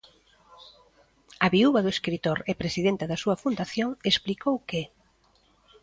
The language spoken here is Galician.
A viúva do escritor, e presidenta da súa fundación, explicou que...